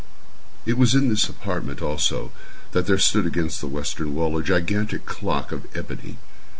It was in this apartment, also, that there stood against the western wall, a gigantic clock of ebony.